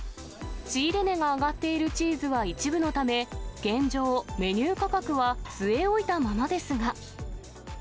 仕入れ値が上がっているチーズは一部のため、現状、メニュー価格は据え置いたままですが。